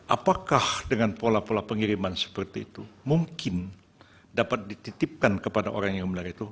apakah dengan pola pola pengiriman seperti itu mungkin dapat dititipkan kepada orang yang benar itu